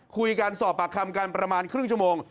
คุยกันสอบปากคำกันประมาณครึ่งชั่วโมง